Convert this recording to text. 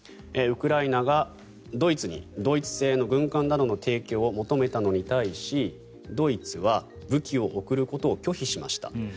ウクライナがドイツ製の軍艦などの提供を求めたのに対しドイツは武器を送ることを拒否しました。